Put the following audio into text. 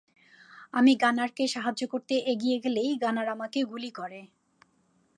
আমি গানারকে সাহায্য করতে এগিয়ে গেলেই গানার আমায় গুলি করে।